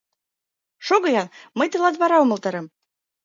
— Шогы-ян, мый тылат вара умылтарем.